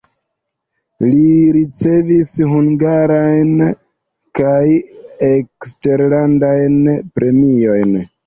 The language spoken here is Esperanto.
Li ricevis hungarajn kaj eksterlandajn premiojn.